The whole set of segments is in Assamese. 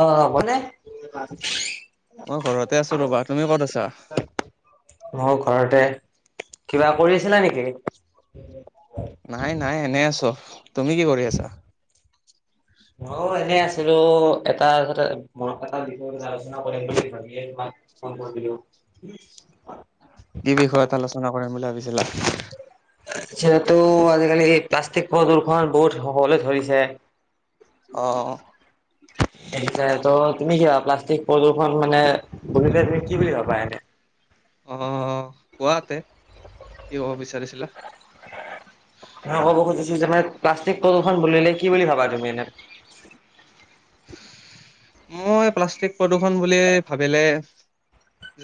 অ, মানে? মই ঘৰতে আছো ৰবা তুমি ক'ত আছা? মোৰ ঘৰতে, কিবা কৰি আছিলা নেকি? নাই - নাই এনে আছ তুমি কি কৰি আছা? ম এনে আছিলো এটাতে এটা বিষয় আলোচনা কৰিম বুলি ভাবিয়ে তোমাক ফোন কৰিলো। ছিলা যিহেতু আজিকালি এই প্লাষ্টিক প্ৰদূৰ্ষন বহুত হবলে ধৰিছে অ', ত, তুমি কি প্লাষ্টিক প্ৰদূষণ মানে বুলিলে তুমি কি বুলি ভাবা এনে। অহ, কোৱাতে কি ক'ব বিচাৰিছিলা? অ, ক'ব খুজিছো যে মানে প্লাষ্টিক প্ৰদূষণ বুলিলে কি বুলি ভাবা তুমি এনে? মই প্লাষ্টিক প্ৰদূৰ্ষণ বুলি ভাবিলে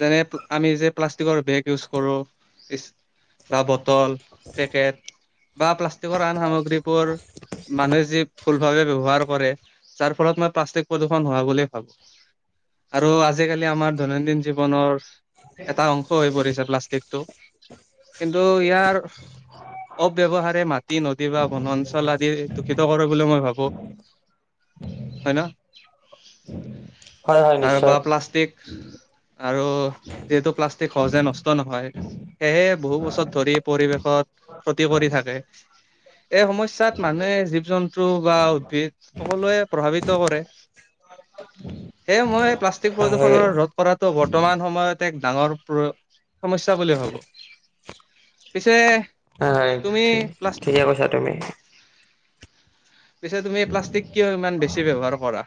যেনে আমি যে প্লাষ্টিকৰ বেগ ইউজ কৰো বা বটল পেকেট বা প্লাষ্টিকৰ আন সামগ্ৰীবোৰ মানু্হয়ে যি ভুল বাবে ব্যৱহাৰ কৰে যাৰ ফলত মই প্লাষ্টিক প্ৰদুৰ ৰ্ষণ হোৱা বুলিুল ভাবো আৰু আজিকালি আমাৰ দৈনন্দিন জীৱনৰ এটা অংশ হৈ পৰিছে প্লাষ্টিকটো। কিন্তু ইয়াৰ অব্যৱহাৰে মাটি নদী বা বনাঞ্চল আদি দূষিত কৰে বুলি মই ভাবো। হয় ন হয় হয় আৰু বা নিশ্চয় প্লাষ্টষ্টিক আৰু যিহেতু প্লাষ্টিক সহজে নষ্ট নহয় সেয়েহে বহু বছৰ ধৰি পৰিৱেশত ক্ষতি কৰি থাকে। এই সমস্যাত মানুহে জীৱ জন্তু বা উদ্ভিদ সকলোৱে প্ৰভাৱিত কৰে। এ মই প্লাষ্টিক হয় প্ৰদূষণৰ ৰধ কৰাতটো বৰ্তমান সময়ত ডাঙৰ সমস্যা বুলি ভাবো পিছে হ তুমি প্লাছ ঠিকে কৈছা তুমি পিছে তুমি প্লাষ্টিক কিয় ইমান বেছি ব্য্ৱহাৰ কৰা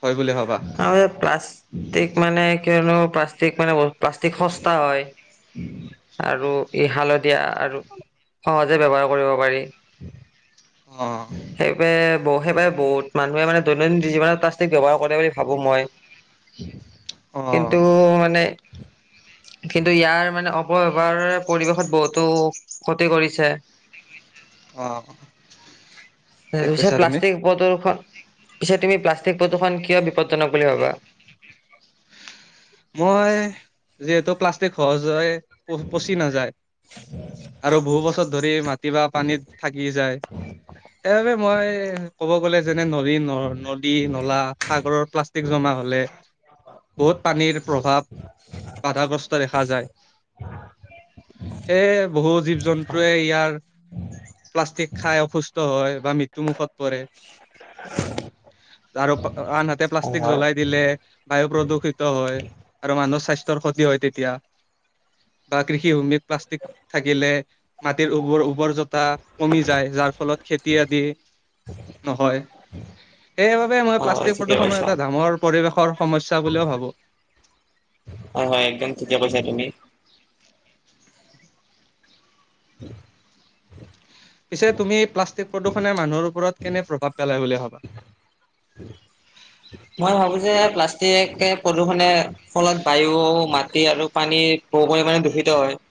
হয় বুলি ভাবা? আৰু প্লাষ্ট্তিক মানে কনো মান প্লাষ্টিক সস্তা হয় আৰুালত দিয়া আৰু সহজে ব্য্ৱহাৰ কৰিব পাৰি অ'। সেইব বহ সেইব বহুত মানুহে মানে দৈনন্দিন জীৱনত প্লাষ্টিক ব্য্ৱহাৰ কৰে বুলি ভাবো মই কিন্তু মানে উ কিন্তু ইয়াৰ মানে অপবহাৰ পৰিৱেশত বহুতো ক্ষতি কৰিছে আহ তাৰ পি প্লাষ্টিক প্ৰদৰ্শন পিছে তুমি প্লাষ্ট থিক প্ৰদূষণ কিয় বিপদজনক বুলি ভাবা মই যিহেতু প্লাষ্টিক সহজ হয় পচি নাযায় আৰু বহু বছৰ ধৰি মা কিবা পানীত থাকি যায় সেইবাবে মই ক'ব গ'লে যেনে নদী ন নদী নলা সাগৰৰ প্লাষ্টিক জমা হলে বহুত পানীৰ প্ৰভাৱ বাধাগ্ৰস্ত দেখা যায় সেে বহু জীৱ জন্তুৱে ইয়াৰ প্লাষ্টিক খাই অসুস্থ হয় বা মৃত্যু মুুখত পৰে আৰু আনহাতে হয় প্লাষ্টিক হয় জ্বলাই দিলে বায়ু প্ৰদূষিত হয় আৰু মানুহৰ স্বাস্থ্যৰ ক্ষতি হয় তেতিয়া বা কৃষি ভূমিত প্লাষ্টিক থাকিলে মাটিৰ উৰ উ্বৰ জতা কমি যায় যাৰ ফলত খেতি আদি নহয় সেইবাবে মই অ প্লাষ্টিক ঠিকে প্ৰদূষণৰ কৈছা এটা ডাামৰ পৰিৱেশৰ সমস্যা বুলিও ভাবো হয় হয় একদম তেতিয়া পৈছা তুমি উম পিছে তুমি প্লাষ্টিক প্ৰদূষণে মানুহৰ ওপৰত কেনে প্ৰভাৱ পেলায় বুলি ভবা মই ভাবো যে প্লাষ্টিক প্ৰদূষণে ফলত বায়ু মাটি আৰু পানীৰ বু পৰি মানে দূষিত হয়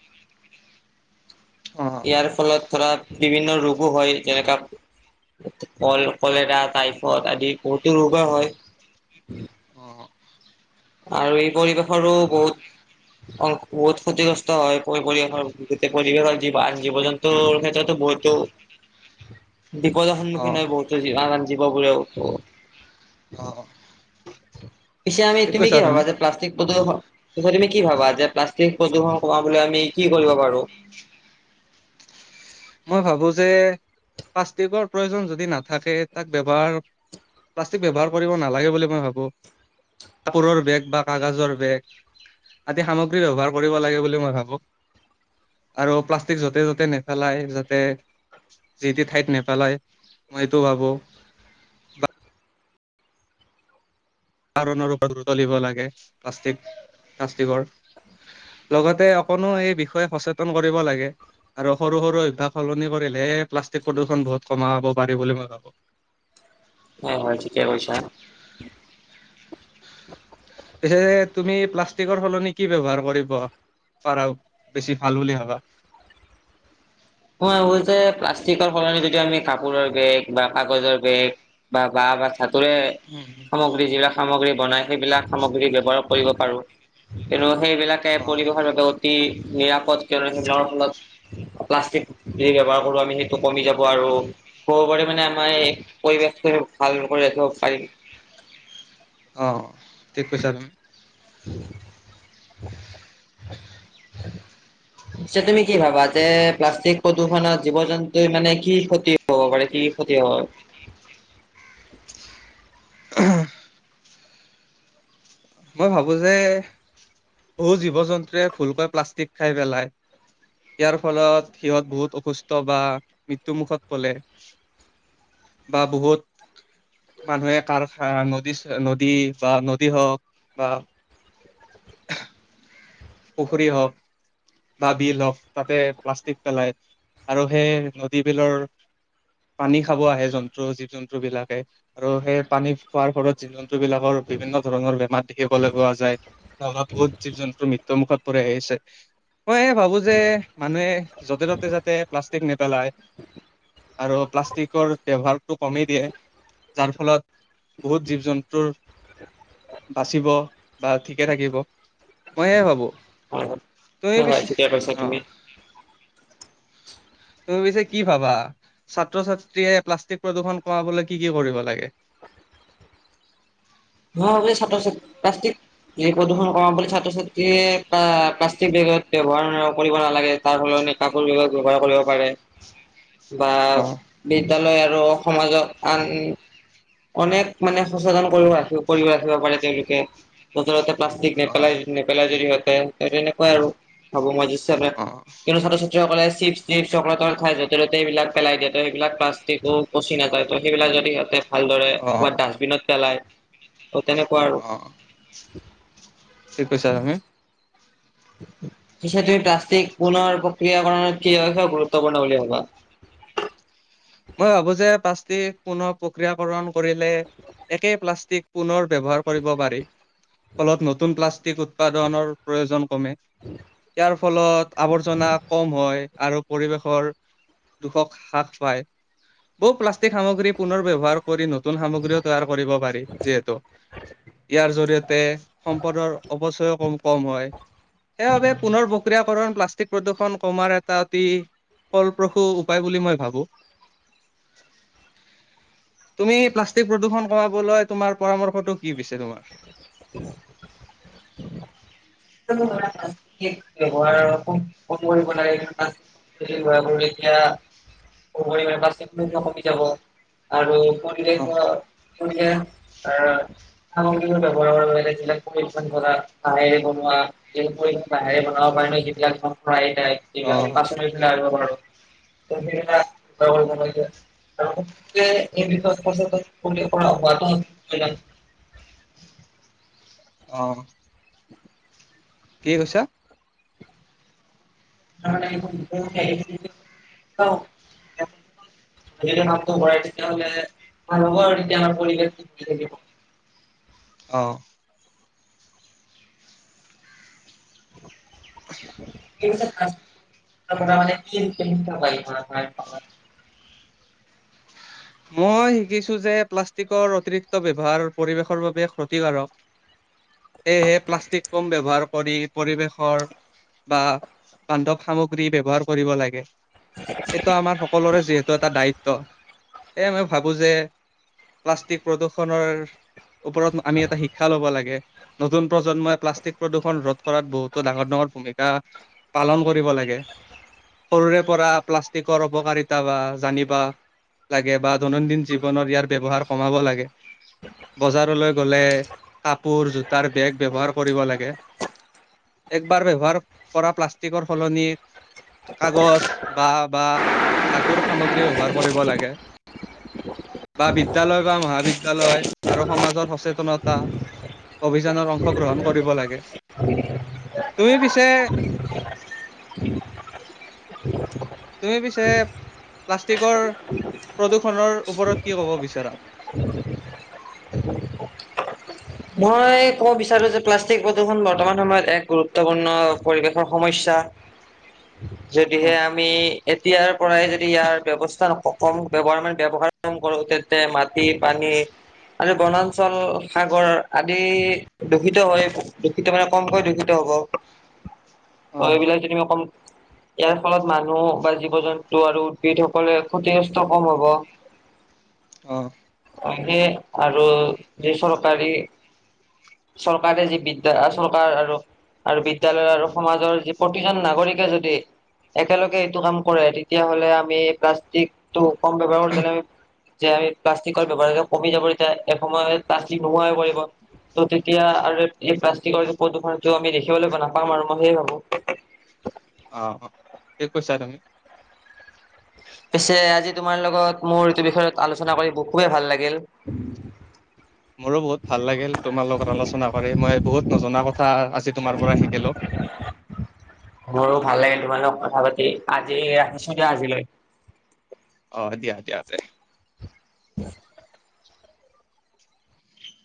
অ ইয়াৰ ফলত ধৰা বিভিন্ন ৰোগো হয় যেনেকা কল কলেৰা টাইফড আদি বহুতো ৰোগৰ হয় অ আৰু এই পৰিৱেশৰো বহুত অ বহুত ক্ষতিগ্ৰস্ত হয় পৰি পৰিৱেশৰ গোটেই পৰিৱেশৰন জীৱ জন্তুৰ ক্ষেত্ৰতো মইতো [unintelligible] বিপদৰ অ সন্মুখীন হয় বহত যিব বুলি আহ ই তুমি কি ভাবা যে প্লাষ্টিক প্ৰদূৰ্ষণয় তুমি কি ভাবা যে প্লাষ্টিক প্ৰদূষণ কমাবলৈ আমি কি কৰিব পাৰো ৰ মই ভাবো যে প্লাষ্টিকৰ প্ৰয়োজন যদি নাথাকে তাক ব্য্ৱহাৰ প্লাষ্টিক ব্যৱহাৰ কৰিব নালাগে বুলি মই ভাবোঁ কাপোৰৰ বেগ বা কাগাজৰ বেগ আদি সামগ্ৰী ব্যৱহাৰ কৰিব লাগে বুলি মই ভাবো আৰু প্লাষ্টিক য'তে য'তে নেপেলাই। যাতে যি তি ঠাইত নেপেলায় মই এইটো ভাবো বা। কাৰণৰ ওপৰত গুৰুত্ব দিব লাগে প্লাষ্টিক প্লাষ্টিকৰ। লগতে অকনো এই বিষয়ে সচেতন কৰিব লাগে। আৰু সৰু সৰু অভ্যাস সলনি কৰিলেহে। প্লাষ্টিক প্ৰদূষণ বহুত কমা হব পাৰি বুলি মই ভাবো। হয় হয় ঠিকেই কৈছা। [unintelligible] পিছে তুমি প্লাষ্টিকৰ সলনি কি ব্যৱহাৰ কৰিব। পাৰা বেছি ভাল বুলি ভাবা।। মই ভাবো যে প্লাষ্টিকৰ সলনি যদি আমি কাপোৰৰ বেগ বা কাগজৰ বেগ। বা বাহ। [unintelligible] হাতোৰে সামগ্ৰী যিবিলাক সামগ্ৰী বনাই সেইবিলাক সামগ্ৰী ব্যৱহাৰ কৰিব পাৰোঁ। কিন্তু সেইবিলাকে অ পৰিৱেশৰ বাবে অতি। নিৰাপদ [unintelligible] ফলত প্লাষ্টিক। যি ব্যৱহাৰ কৰোঁ আমি সেইটো কমি যাব আৰু কব পাৰি মানে আমাৰ এই পৰিৱেশটো ভাল। [unintelligible] অহ, ঠিক কৈছা তুমি। [unintelligible] [inaudible] পিছে তুমি কি ভাবা যে প্লাষ্টিক প্ৰদূষণত জীৱ জন্তু মানে কি ক্ষতি। হব পাৰে, কি কি ক্ষতি হয়। [unintelligible] মই ভাবোঁ যে বহু জীৱ জন্তুৱে ভুলকৈ প্লাষ্টিক খাই পেলায়।। ইয়াৰ ফলত সিহঁত বহুত অসুস্থ বা মৃত্যুমুখত পলে। বা বহুত। মানুহে কাৰখানা নদী নদী বা নদী হওঁক। বা পুখুৰী হওঁক। বা বিল হওঁক তাতে প্লাষ্টিক পেলাই আৰু সেই নদী বিলৰ। পানী খাব আহে জন্তু, জীৱ-জন্তু বিলাকে আৰু সেই পানী খোৱাৰ ফলত জীৱ-জন্তু। বিলাকৰ বিভিন্ন ধৰণৰ বেমাৰ দেখিবলৈ পোৱা যায়, বহুত জীৱ-জন্তু। মৃত্যু মুখত পৰি আহিছে।। মই ভাবো যে মানুহে য'তে ত'তে যাতে প্লাষ্টিক নেপেলায়।। আৰু প্লাষ্টিকৰ ব্যৱহাৰ। টো কমি দিয়ে, যাৰ ফলত বহুত জীৱ জন্তুৰ। বাচিব বা ঠিকে থাকিব।। মই সেয়ে ভাবো, হয় তুমি হয় পিছে ঠিকে কৈছা অ। তুমি। তুমি পিছে কি ভাবা? ছাত্ৰ-ছাত্ৰীয়ে প্লাষ্টিক প্ৰদূৰ্ষন কমাবলৈ কি কি কৰিব লাগে? [inaudible] মই ভাবো এই ছাত্ৰ-ছাত্ৰীয়ে পাষ্টিক। এই প্ৰদূষণ কমাম বুলি ছাত্ৰ-ছাত্ৰীয়ে প্লাষ্টিক বেগত ব্যৱহাৰ কৰিব নালাগে, তাৰ ফলত। কাপোৰ বেগ ব্যৱহাৰ কৰিব পাৰে। [inaudible] বা অ বিদ্যালয় আৰু সমাজত আন। অনেক মানে সচেতন কৰি ৰাখিব কৰি ৰাখিব পাৰে তেওঁলোকে, যতে ততে। প্লাষ্টিক অ নেপেলাই নেপেলাই যদি সিহঁতে তেনেকুৱাই আৰু ভাবো মই অ কিন্তু ছাত্ৰ-ছাত্ৰী। কলে চিপ-টিপ, চকলেট-টকলেত খাই য'তে ততে এইবিলাক পেলাই দিয়ে, ত' সেইবিলাক প্লষ্টিকো পচি নাযাই ত' সেইবিলাক। যদি ইহঁতে। ভালদৰে অ ক'বাত ডাষ্টবিনত পেলায় ত' তেনেকুৱা অ আৰু। ঠিক কৈছা। [unintelligible] [inaudible] সেইেতে প্লাষ্টিক পুনৰ প্ৰক্ৰিয়াকৰণৰ কিে গুৰুত্বপূৰ্ণ বুলি ভাবা মই ভাবো যে পাষ্টিক পুনৰ প্ৰক্ৰিয়াকৰণ কৰিলে একেই প্লাষ্টিক পুনৰ ব্যৱহাৰ কৰিব পাৰি ফলত নতুন প্লাষ্টিক উৎপাদনৰ প্ৰয়োজন কমে ইয়াৰ ফলত আৱৰ্জনা কম হয় আৰু পৰিৱেশৰ দুোখক হ্ৰাস পায় বহু প্লাষ্টিক সামগ্ৰী পুননৰ ব্যৱহাৰ কৰি ন নতুন সামগ্ৰীও তৈয়াৰ কৰিব পাৰি যিহেতু ইয়াৰ জৰি়য়তে সম্পদৰ অৱচয় কম হয় সেইবাবে পুনৰ প্ৰক্ৰিয়াকৰণ পা প্লাষ্টিক প্ৰদূষণ কমাৰ এটা অতি ফলপ্ৰসূ উপায় বুলি মই ভাবোঁ [inaudible] তুমি প্লাষ্টিক প্ৰদূষণ কমাবলৈ তোমাৰ পৰামৰ্শটো কি পছে তোমাৰ উম ৱহাৰ কম কৰিব লাগে কৰো তেতিয়া কমি যাব আৰু অ', কৰি ক়িয় সামগ্ৰী ব্যৱহাৰ যিলাক হহ বাহেৰে বনাব পাৰি অ', ন ধ পাচেলাইিব পাৰো তম জৱ গমাই এই [unintelligible] [inaudible] অ কি কৈছা যদি আ নলে মভৱ [inaudible] অ [unintelligible] [inaudible] এই মানে [unintelligible] মই শিকিছোঁ যে প্লাষ্টিকৰ অতিৰিক্ত ব্যৱহাৰ পৰিৱেশৰ বাবে ক্ষতিকাৰক সেয়েহে প্লাষ্টিক কম ব্যৱহাৰ কৰি পৰিৱেশৰ বা বান্ধৱ সামগ্ৰী ব্যৱহাৰ কৰিব লাগে এইটো আমাৰ সকলোৰে যিহেতু এটা দায়িত্ব এয় মই ভাবো যে প্লাষ্টিক প্ৰদূৰষণৰ ওপৰত আমি এটা শিক্ষা ল'ব লাগে নতুন প্ৰজন্মই প্লাষ্টিক প্ৰদূষণ ৰোধ কৰাত বহুতো ডাঙৰ ডাঙৰ ভূমিকা পালন কৰিব লাগে সৰুৰে পৰা প্লাষ্টিকৰ অপকাৰিতা বা জানিবা লাগে বা দৈনন্দিন জীৱনৰত ইয়াৰ ব্য্ৱহাৰ কমাব লাগে বজাৰলৈ গলে কাপোৰ জোতাৰ বেগ ব্যৱহাৰ কৰিব লাগে একবাৰ ব্যৱহাৰ কৰা প্লাষ্টিকৰ সলনি কাগজ বা বা ধাতুৰ সামগ্ৰী ব্যৱহাৰ কৰিব লাগে বা বিদ্যয়ালয় বা মহাবিদ্যালয় আৰু সমাজৰ সচেতনতা অভিযানত অংশগ্ৰহণ কৰিব লাগে তুমি পিছে তুমি পি চয় প্লাষ্টিকৰ প্ৰদূ্ষণৰ ওপৰত কি ক'ব বিচাৰা মই ক'ব বিচাৰো যে প্লাষ্টিক প্ৰদূষণ বৰ্তমান সময়ত এক গুৰুত্বপূৰ্ণ পৰিৱেশৰ সমস্্যা [unintelligible] যদিহে অ', আমি এতিয়াৰ পৰাই যদি ইয়াৰ ব্যৱস্থাৰ [unintelligible] ব্যবহাৰ কৰো তেন্তে মাটি পানী [unintelligible] আৰু বনাঞ্চল সাগৰ আদি দূষিত হৈ, দূষিত মানে কমকৈ দূষিত হ'ব। ত অ', এইবিলাক যেনিবা কম ইয়াৰ ফলত মানুহ বা জীৱ জন্তু আৰু উদ্ভিদসকলে ক্ষতিগ্ৰস্ত কম হব। অ'। এনে আৰু বেচৰকাৰী [inaudible] চৰকাৰে যি বিদ্যা, চৰকাৰ আৰু আৰু বিদ্যলয় আৰু সমাজৰ যি প্ৰতিজন নাগৰিকে যদি একেলগে [unintelligible] কাম কৰে তেতিয়াহ'লে আমি প্লাষ্টিকটো কম ব্যৱহাৰ কৰি পেলাই যে আমি প্লাষ্টিকৰ ব্যৱহাৰটো কমি যাব যে, এসময়ত প্লাষ্টিক নোহোৱা হৈ পৰিব। ত' তেতিয়া আৰু এই প্লাষ্টিকৰ প্ৰদূৰণটো আমি দেখিবলৈ নাপাম আৰু মই সেই ভাবো। অ', অ', ঠিকে কৈছা তুমি। পিছে আজি তোমাৰ লগত মোৰ এইটো বিষয়ত আলোচনা কৰি [unintelligible] ভাল লাগিল। [inaudible] মোৰো বহুত ভাল লাগিল তোমাৰ লগত আলোচনা কৰি, মই বহুত নজনা কথা আজি তোমাৰ পৰা শিকিলোঁ। মোৰো ভালে তোমাৰ লগত কথা পাতি আজি ৰাখিছো দিয়া আজিলৈ অ দিয়া দিয়াতে [inaudible]